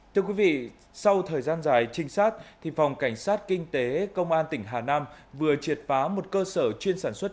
thưa quý vị sau thời gian dài trinh sát phòng cảnh sát kinh tế công an tỉnh hà nam vừa triệt phá một cơ sở chuyên sản xuất